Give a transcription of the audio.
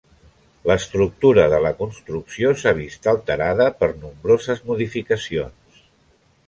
L'estructura de la construcció s'ha vist alterada per nombroses modificacions.